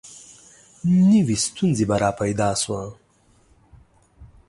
نوي ستونزه به را پیدا شوه.